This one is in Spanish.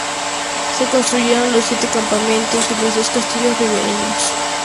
Se construyeron los siete campamentos y los dos castillos ribereños.